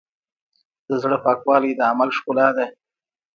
د زړۀ پاکوالی د عمل ښکلا ده.